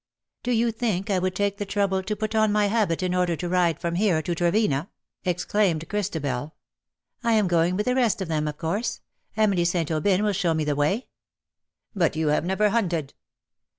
" Do you think I would take the trouble to put on my habit in order to ride from here to Trevena?'' exclaimed Christabel. "I am going with the rest of them, of course. Emily St. Aubyn will show me the way." ^' But you have never hunted."